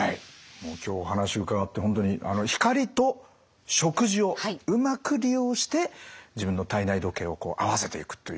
もう今日お話伺って本当に光と食事をうまく利用して自分の体内時計を合わせていくという。